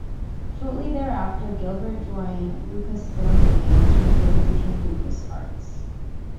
Shortly thereafter, Gilbert joined Lucasfilm Games, which later became LucasArts.